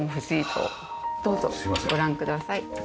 どうぞご覧ください。